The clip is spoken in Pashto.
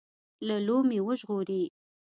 له لومې وژغوري.